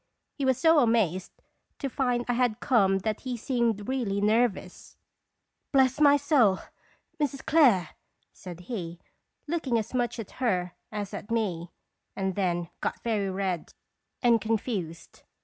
He was so amazed to find I had come that he seemed really nervous. "Bless my soul Mrs. Clare!" said he, looking as much at her as at me, and then got very red and confused.